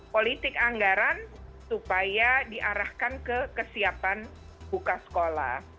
politik anggaran supaya diarahkan ke kesiapan buka sekolah